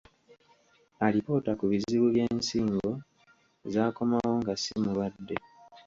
Alipoota ku bizibu by'ensigo zaakomawo nga si mulwadde.